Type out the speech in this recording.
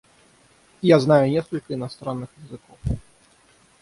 Я знаю несколько иностранных языков.